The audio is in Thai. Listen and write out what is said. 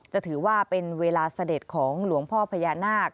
จะถือว่าเป็นเวลาเสด็จของหลวงพ่อพญานาค